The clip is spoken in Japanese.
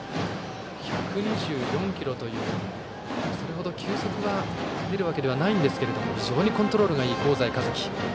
１２４キロということでそれほど球速は出るわけではないんですが非常にコントロールがいい香西一希。